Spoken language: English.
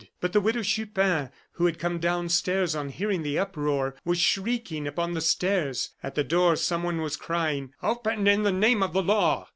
But the Widow Chupin, who had come downstairs on hearing the uproar, was shrieking upon the stairs. At the door someone was crying: "Open in the name of the law!"